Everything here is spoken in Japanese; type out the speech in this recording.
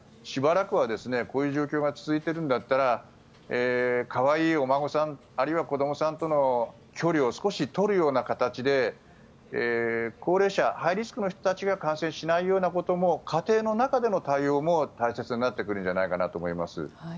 しばらくは、こういう状況が続いているんだったら可愛いお孫さんあるいは子どもさんとの距離を少し取るような形で高齢者、ハイリスクの人たちが感染しないようなことも家庭の中での対応も大切になってくるんじゃないかなと思います。